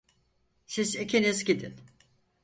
Siz ikiniz gidin.